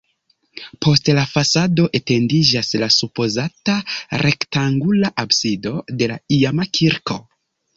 Post la fasado etendiĝas la supozata rektangula absido de la iama kirko.